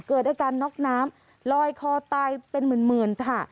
เกิดอาการน็อกน้ำลอยคอตายเป็นหมื่นค่ะ